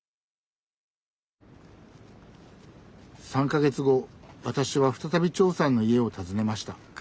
３か月後私は再び長さんの家を訪ねました。